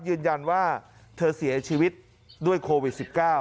ยืนยันว่าเธอเสียชีวิตด้วยโควิด๑๙